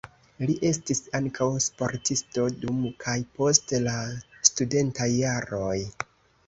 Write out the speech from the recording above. Li estis ankaŭ sportisto dum kaj post la studentaj jaroj.